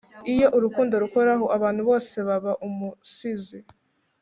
iyo urukundo rukoraho abantu bose baba umusizi